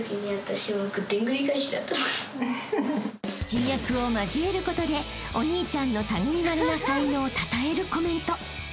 ［自虐を交えることでお兄ちゃんの類いまれな才能をたたえるコメント］